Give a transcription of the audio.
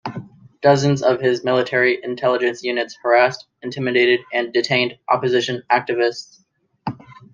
Dozens of his military intelligence units harassed, intimidated and detained opposition activists.